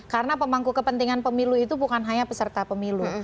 karena pemangku kepentingan pemilu itu bukan hanya peserta pemilu